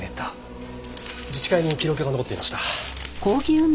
自治会に記録が残っていました。